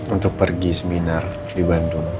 untuk pergi seminar di bandung